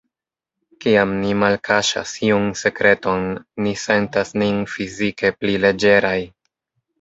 Kiam ni malkaŝas iun sekreton, ni sentas nin fizike pli leĝeraj.